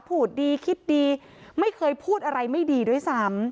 พูดดีคิดดีไม่เคยพูดอะไรไม่ดีด้วยซ้ำ